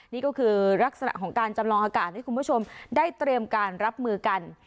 นี่ก็คือลักษณะของการจำลองอากาศให้คุณผู้ชมได้เตรียมการรับมือกัน